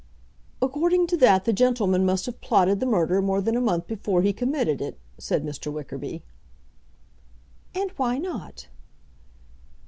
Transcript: "According to that the gentleman must have plotted the murder more than a month before he committed it," said Mr. Wickerby. "And why not?"